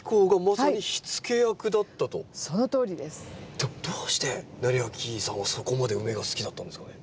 でもどうして斉昭さんはそこまでウメが好きだったんですかね？